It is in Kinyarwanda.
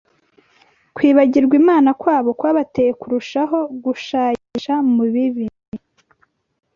kwibagirwa Imana kwabo kwabateye kurushaho gushayisha mu bibi.